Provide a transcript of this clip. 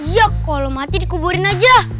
ya kalo mati dikuburin aja